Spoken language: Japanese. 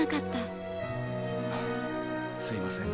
あすいません。